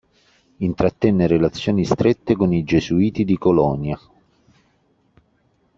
Intrattenne relazioni strette con i gesuiti di Colonia.